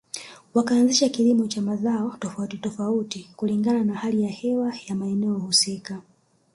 Wakaanzisha kilimo cha mazao tofauti tofauti kulingana na hali ya hewa ya eneo husika